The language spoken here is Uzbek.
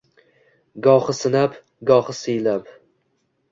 Gohi sinab, gohi siylab